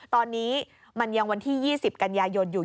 ตอนนี้มันยังวันที่๒๐กันยายนอยู่